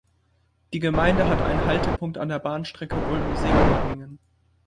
Die Gemeinde hat einen Haltepunkt an der Bahnstrecke Ulm–Sigmaringen.